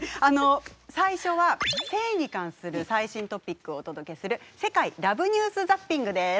最初は性に関する最新トピックをお届けする「世界ＬＯＶＥニュース・ザッピング」です。